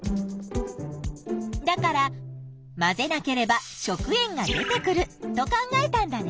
だから混ぜなければ食塩が出てくると考えたんだね。